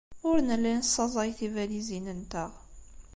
Ur nelli nessaẓay tibalizin-nteɣ.